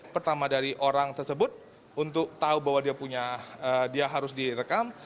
pertama dari orang tersebut untuk tahu bahwa dia punya dia harus direkam